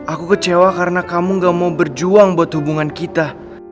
aku kecewa karena kamu gak mau berjuang buat hubungan kita